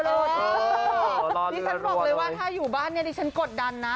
นี่ฉันบอกเลยว่าถ้าอยู่บ้านเนี่ยดิฉันกดดันนะ